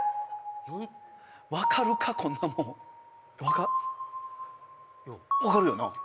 分かるかこんなもん分かるよな？